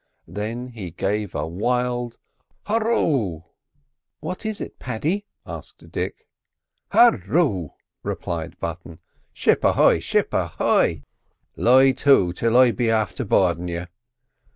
Then he gave a wild "Hurroo!" "What is it, Paddy?" asked Dick. "Hurroo!" replied Mr Button. "Ship ahoy! ship ahoy! Lie to till I be afther boardin' you.